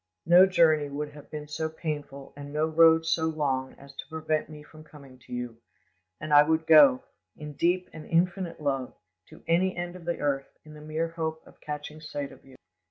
No journey would have been so painful and no road so long as to prevent me from coming to you, and I would go, in deep and infinite love, to any end of the earth in the mere hope of catching sight of you.